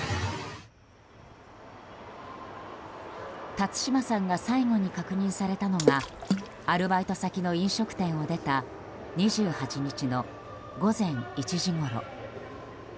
辰島さんが最後に確認されたのがアルバイト先の飲食店を出た２８日の午前１時ごろ。